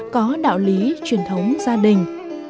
có đạo lý truyền thống gia đình